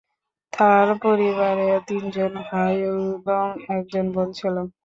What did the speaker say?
তার পরিবারে তিনজন ভাই এবং একজন বোন ছিল।